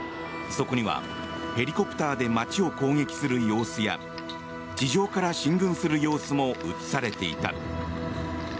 そこにはヘリコプターで街を攻撃する様子や地上から進軍する様子も映されていた。